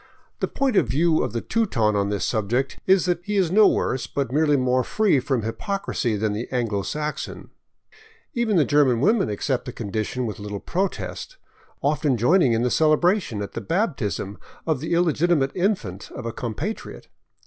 The point of view of the Teuton on this subject is that he is no worse, but merely more free from " hypocrisy " than the Anglo Saxon. Even the German women accept the condition with little protest, often joining in the celebration at the baptism of the illegitimate infant of a compatriot.